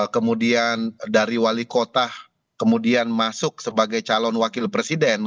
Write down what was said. kemudian dari wali kota kemudian masuk sebagai calon wakil presiden